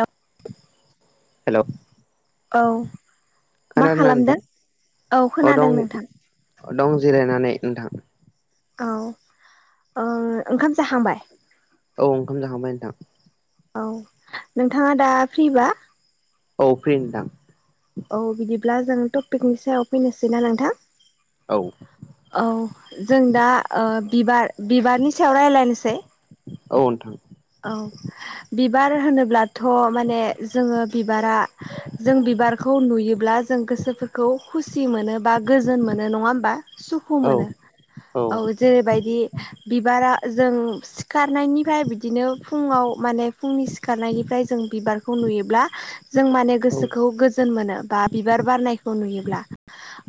औ हेलौ औ मा खोनादोंना नोंथां खालामदों औ खोनादों नोंथां। दं जिरायनानै नोंथां। औ ओ ओंखाम जाखांबाय? औ ओंखाम जाखांबाय नोंथां। औ नोंथाङा दा फ्रिबा? औ फ्रि नोंथां। औ बिदिब्ला जों टपिकनि सायाव फैनोसैना नोंथां? औ औ जों दा बिबार बिबारनि सायाव रायज्लायनोसै औ नोंथां औ बिबार होनोब्ला थ' माने जोङो बिबारा जों बिबारखौ नुयोब्ला जों गोसो खौ खुसि मोनो बा गोजोन मोनो नंङा होमबा सुखु औ मोनो औ जेरैबायदि बिबारा जों सिखारनायनिफ्राय बिदिनो फुंङाव माने फुंनि सिखारनायनिफ्राय जों बिबारखौ नुयोब्ला जों माने अ गोसोखौ गोजोन मोनो बा बिबार बारनायखौ नुयोब्ला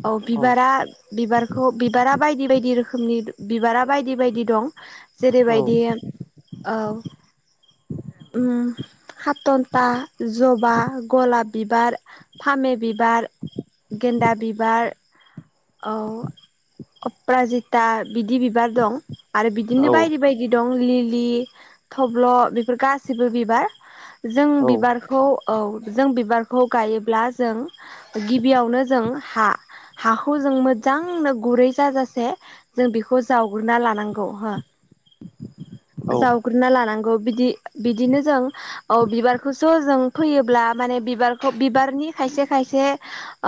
औ बिबारा बिबारखौ बिबारा बायदि बायदि रोखोमनि बिबारा बायदि बायदि दं। जेरैबायदि औ हाथन्था जबा गलाप बिबार फामे बिबार गेन्दा बिबार औ अप्राजिता बिदि बिबार दं! आरो बिदिनो औ नोंथां बायदि बायदि दं लिलि थब्ल' बेफोर गासिबो बिबार जों बिबारखौ औ जों बिबारखौ गायोब्ला जों गिबियावनो जों हा। हाखौ जों मोजांनो गुरै जाजासे जों बेखौ जावग्रोना लानांगौ हो [unintelligible] जावग्रोना लानांगौ बिदि बिदिनो जों औ बिबारखौस' जों फैयोब्ला माने बिबारखौ बिबारनि खायसे खायसे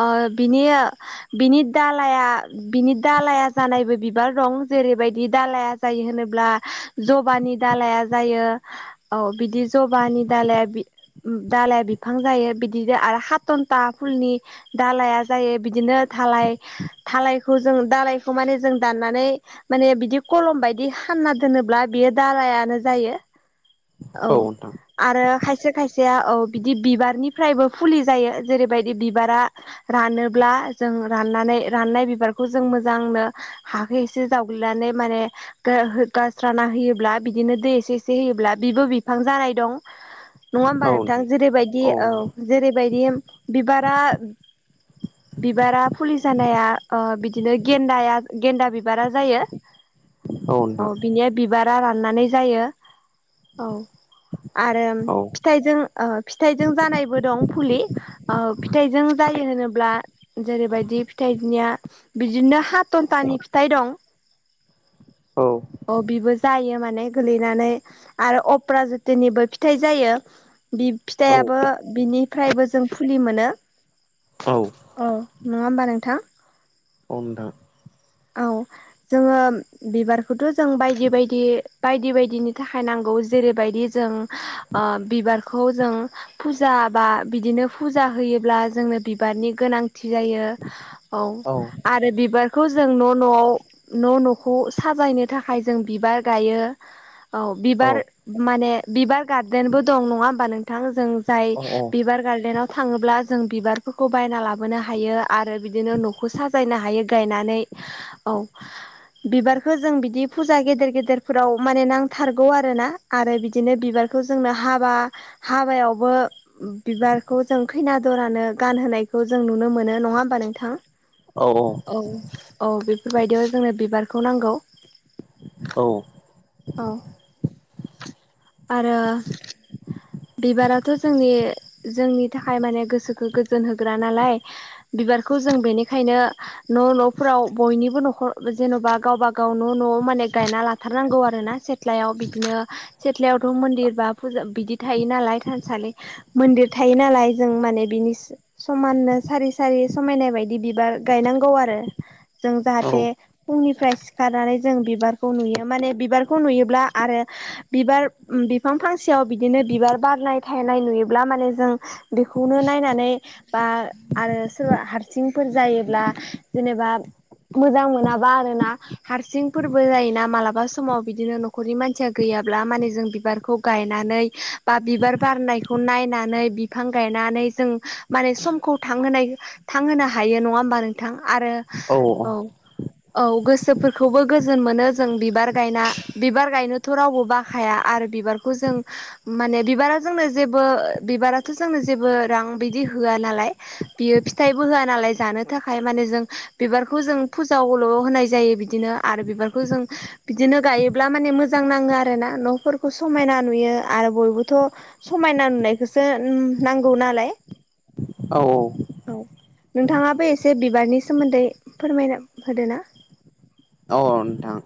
ओ बिनि बिनि दालाया बिनि दालाया जानायबो बिबार दं जेरैबायदि दालाया जायो होनोब्ला जबानि दालाया जायो। औ बिदि जबानि दालाया बि दालाया बिफां जायो बिदिनो आरो हाथन्था फुलनि दालाया जायो बिदिनो थालाय थालायखौ जों दालायखौ माने जों दाननानै माने बिदि कलम बायदि हानना दोनोब्ला बियो दालायानो जायो। औ। आरो खायसे खायसेया औ बिदि बिबारनिफ्रायबो फुलि जायो जेरैबायदि बिबारा रानोब्ला जों राननानै राननाय बिबारखौ जों मोजांनो। हा एसे जावग्लिनानै माने गस्राना होयोब्ला बिदिनो दै एसे एसे होयोब्ला बिब' बिफां जानाय दं नङा होमबा औ नोंथां जेरैबायदि औ। जेरैबायदि बिबारा बिबारा फुलि जानाया ओ बिदिनो गेन्दाया गेन्दा बिबारा जायो। नोंथां अ' बिनि बिबारा राननानै जायो। औ आरो औ फिथाइजों ओ फिथाइजों जानायबो दं फुलि औ फिथाइजों जायो होनोब्ला जेरैबायदि फिथाइनिया बिदिनो हा न्थानि फिथाइ दं औ अ बिबो जायो माने गोलैनानै आरो अप्रा जेतनिबो फिथाइ जायो बि औ फिथाइाबो बिनिफ्रायबो जों फुलि मोनो औ औ नङा होमबा नोंथां। औ नोंथां औ जोङो बिबारखौथ' जों बायदि बायदि बायदि बायदिनि थाखाय नांगौ जेरैबायदि जों ओ बिबारखौ जों फुजा बा बिदिनो फुजा होयोब्ला जोंनो बिबारनि गोनां जायो औ औ आरो बिबारखौ जों न' न'आव न' न'खौ साजायनो थाखाय जों बिबार गायो। औ औ बिबार माने बिबार गार्देनबो दं नङा होमबा नोंथ थां जों जाय औ औ बिबार गार्डेनाव थाङोब्ला जों बिबारफोरखौ बायना लाबोनो हायो आरो बिदिनो न'खौ साजायनो हायो गायनानै। औ बिबारखौ जों बिदि फुजा गेदेर गेदेरफोराव माने नांथारगौ आरोना। आरो बिदिनो बिबारखौ जोंनो हाबा हाबायावबो बिबारखौ जों खैना दरानो गानहोनायखौ जों नुनो मोनो। नङा होमबा नोंथां? [inaudible] औ औ बेफोरबायदियाव जोंनो बिबारखौ नांगौ। औ। [inaudible] औ [inaudible] आरो [inaudible] बिबाराथ' जोंनि जोंनि थाखाय माने गोसोखौ गोजोन होग्रा नालाय। बिबारखौ जों बेनिखायनो न' न'फोराव बयनिबो न'खर जेन'बा गावबा गाव न' न'आव माने गायना लाथारनांगौ आरो ना सिथ्लायाव बिदिनो सिथ्लायावथ' मन्दिर बा फुजा बिदि थायो नालाय थानसालि मोनदिर थायो नालाय जों माने बिनि समाननो सारि सारि समायनाय बायदि बिबार गायनांगौ आरो। जों जाहाथे फुंनिफ्राय सिखारनानै जों बिबारखौ नुयो माने बिबारखौ नुयोब्ला आरो बिबार उम बिफां फांसेयाव बिदिनो बिबार बारनाय थायनाय नुयोब्ला माने जों बेखौनो नायनानै बा आरो सोरबा हारसिंफोर जायोब्ला जेनेबा मोजां मोनाबा आरोना। हारसिं फोरबो जायोना मालाबा समाव बिदिनो न'खरनि मानसिया गैयाब्ला। माने जों बिबार खौ गायनानै बा बिबार बारनायखौ नायनानै बिफां गायनानै जों माने समखौ थांहोनाय थांहोनो हायो नङा होमबा नोंथां आरो औ। [inaudible] औ गोसोफोरखौबो गोजोन मोनो जों बिबार गायना बिबार गायनोथ' रावबो बाखाया आरो बिबार खौ जों माने बिबारा जोंनो जेबो बिबाराथ' जोंनो जेबो रां बिदि होआ नालाय। बियो फिथाइबो होआ नालाय जानो थाखाय। माने जों बिबारखौ जों फुजावल' होनाय जायो बिदिनो आरो बिबारखौ जों बिदिनो गायोब्ला माने मोजां नाङो आरो ना न'फोरखौ समायना नुयो आरो बयबोथ' समायना नुनायखौसो उम नांगौ नालाय। औ औ। औ नोंथाङाबो एसे बिबारनि सोमोन्दै फोरमायना होदो ना। औ औ नोंथां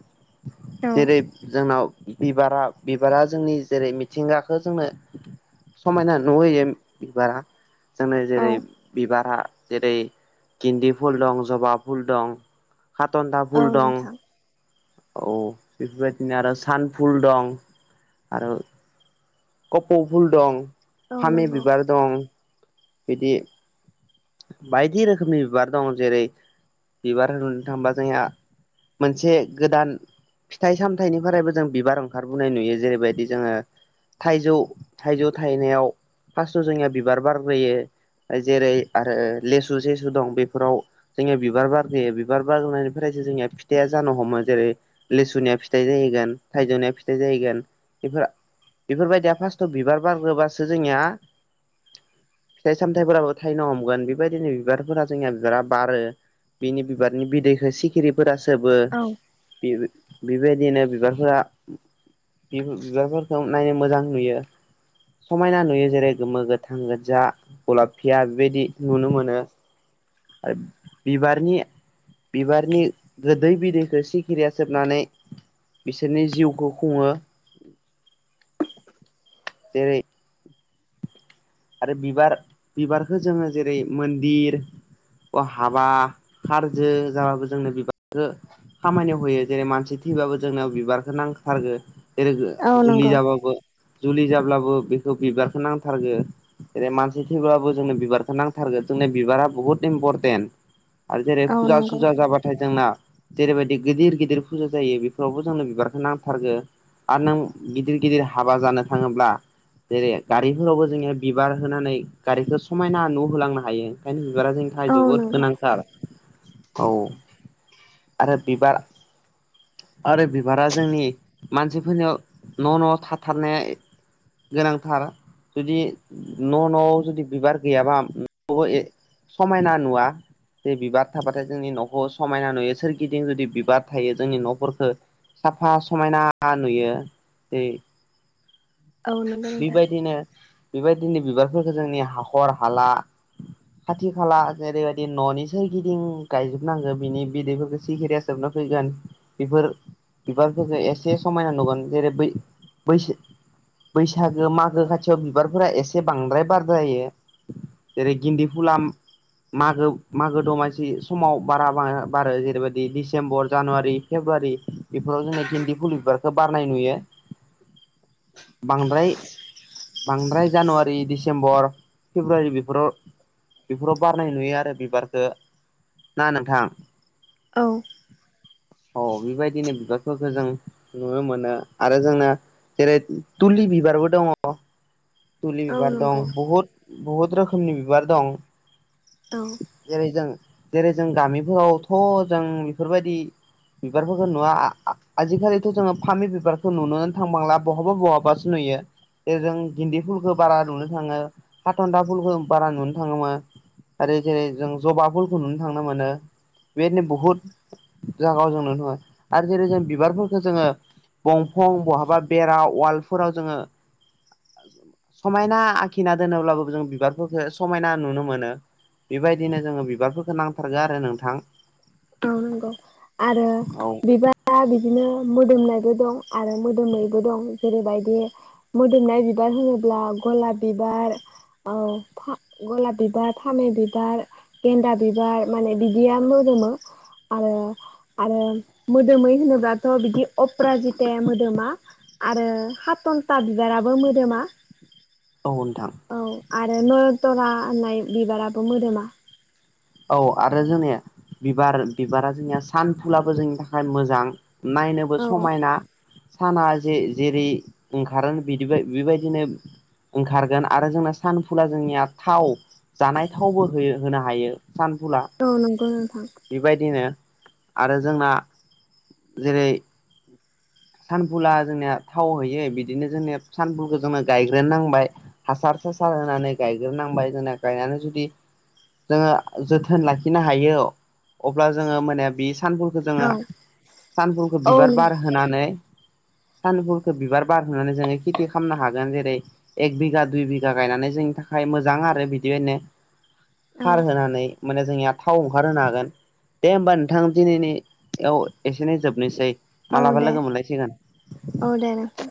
[inaudible] औ जेरै जोंनाव बिबारा बिबारा जोंनि जेरै मिथिंगाखौ जोंनो समायना नुहोयो बिबारा। जोंनो औ जेरै बिबारा जेरै गिन्दि फुल दं, जबा फुल दं, हाथन्दा औ फुल दं नोंथां औ बेफोरबायदिनो आरो सानफुल दं आरो कफौ फुल दं, औ फामि नंगौ बिबार दं बिदि बायदि रोखोमनि बिबार दं। जेरै बिबार होननो थाङोबा जोंहा मोनसे गोदान फिथाइ सामथायाइनिफ्रायबो जों बिबार ओंखारबोनाय नुयो जेरैबायदि जोङो थाइजौ थाइजौ थायनायाव फार्स्टाव जोंनिया बिबार बारग्रोयो। जेरै आरो लेसु सेसु दं बेफोराव जोंनिया बिबार बारहोयो बिबार बारनायनिफ्रायसो जोंनिया फिथाइया जानो हमो। जेरै लेसुनिया फिथाइ जाहैगोन, थाइजौनिया फिथाइ जाहैगोन। बेफोर बेफोरबायदिया फार्स्टआव बिबार बारग्रोबासो जोंनिया फिथाइ सामथायफोराबो थाइनो हम [unintelligible] बिबायदिनो बिबार फोरा बारो बिनि बिदैखौ सि खिरिफोरा सोबो औ बेबायदिनो बिबारफोरा बिबारफोरखौ नायनो मोजां नुयो। समायना नुयो जेरै गोमो गोथां गोजा गलाब फिया बेबायदि नुनो मोनो। आरो बिबारनि बिबारनि गोदै बिदैखौ सिखिरिया सोबनानै बिसोरनि जिउखौ खुङो जेरै आरो बिबार बिबारखौ जोङो जेरै मन्दिर अ हाबा खारजो जाबाबो जोंनो बिबारखौ खामानियाव होयो जेरै मानसि थैबाबो जोंनियाव बिबारखौ नांथारगो। जेरै गो जुलि नंगौ जाबाबो जुलि जाब्लाबो बेखौ बिबारखो नांथारगो। जेरै मानसि थैब्लाबो जोंनो बिबारखौ नांथारगो जोंनिया बिबारा बुहुत इनपरटेन्ट आरो जेरै औ फुजा नंगौ सुजा जाबाथाय जोंना जेरैबायदि गिदिर गिदिर फुजा जायो बेफोरावबो जोंनो बिबारखो नांथारगो। आरो नों गिदिर गिदिर हाबा जानो थाङोब्ला जेरै गारिफोरावबो जोंना बिबार होनानै गारिखो समायना न' होलांनो हायो ओंखायनो बिबारा जों थाय औ जोबोद नंगौ गोनांथार औ आरो बिबार आरो बिबारा जोंनि मानसिफोरनियाव न' न' थाथारनाया गोनांथार जुदि न' न'आव जुदि बिबार गैयाबा ओम अ ए' समायना नुवा। बे बिबार थाबाथाय जोंनि न'खौ समायना नुयो सोरगिदिं जुदि बिबार थायो जोंनि न'फोरखो साफा समायना नुयो दै औ नोंगौ बेबायदिनो बेबायदिनो बिबारफोरखौ जोंनि हाखर हाला खाथि खाला जेरैबायदि न'नि सोरगिदिं गायजोबनांगो बिनि बिदैफोरखौ सिखिरियासो सोबना फैगोन बेफोर बिबारफोरखो एसे समायना नुगोन जेरैै बै बैसो बैसागो मागो खाथियाव बिबारफोरा एसे बांद्राय बारद्रायो। जेरै गिन्दि फुलाम मागो मागो दमासि समाव बारा बां बारो जेरैबायदि डिसेम्बर जानुवारि फेब्रुवारि बेफोराव जोंनि गिन्दि फुलु बिबारखौ बारनाय नुयो। बांद्राय बांद्राय जानुवारि डिसेम्बर फेब्रुवारि बिफोराव बेफोराव बारनाय नुयो आरो बिबारखौ ना नोंथा? औ औ बेबायदिनो बिबारफोरखौ जों नुनो मोनो आरो जोंना जेरै थुलि बिबारबो दङ। थुलि औ बिबार दं नंगौ बहुद बहुद रोखोमनि बिबार दं। औ जेरै जों जेरै जों गामिफोरावथ' जों बेफोरबायदि बिबारफोरखौ नुवा आजिखालिथ' जोङो फामि बिबारखौ नुनो थांबांला बहाबा बहाबासो नुयो। जे जों गिन्दि फुलखौ बारा नुनो थाङो हाथन्था फुलखौ बारा नुनो थाङोमोन। आरो जेरै जों जबा फुलखौ नुनो थांनो मोनो बेदिनो बुहुद जागायाव जों नुनो मोनो आरो जेरै जों बिबारफोरखौ जोङो दंफां बहाबा बेरा वालफोराव जोङो समायना आखिना दोनोब्लाबो जों बिबारफोरखौ समायना नुनो मोनो। बेबायदिनो जोङो बिबारफोरखौ नांथारगो आरो नोंथां औ नांगौ आरो औ बिबा दा बिदिनो मोदोमनायबो दं आरो मोदोमैबो दं जेरैबायदि मोदोमनाय बिबार होनोब्ला गलाब बिबार औ फा गलाब बिबार, फामे बिबार गेन्दा बिबार माने बिदिय मोदोमो आरो आरो मोदोमै होनोब्लाथ' बिदि अप्रााजिताया मोदोमा आरो हातन्था बिबाराबो मोदोमा औ नोंथां औ आरो नयथरा होननाय बिबाराबो मोदोमा औ आरो जोंनिया बिबार बिबारा जोंनिया सानफुलाबो जोंनि थाखाय मोजां नायनोबो औ समायना साना जे जेरै ओंखारो बिदिबा बेबायदिनो ओंखारगोन आरो जोंना सानफुला जोंनिया थाव जानाय थावबो होयो होनो हायो। सानफुला औ नंगौ नोंथां बेबायदिनो आरो जोंना जेरै सानफुला जोंनिया थाव हैयो बिदिनो जोंनिया सानफुलखौ जोंङो गायग्रो नांबाय हासार सासार होनानै गायग्रोनांबाय जोंना गायनानै जुदि जोंङो जोथोन लाखिनो हायो अब्ला जोंङो माने बे सानफुलखौ जोंङो सानफुलखो बिबार औ बार होनानै [inaudible] सानफुलखो बिबार बारहोनानै जोंङो खेथि खालामनो हागोन जेरै - एक बिघा, दुइ बिघा गायनानै जोंनि थाखाय मोजां आरो बिदिनो औ खार होनानै माने जोंनिया थाव ओंखारहोनो हागोन। दे होमबा नोंथां दिनैनि याव एसेनो जोबनोसै औ मालाबा दे लोगो मोनलायसिगोन औ दे नोंथां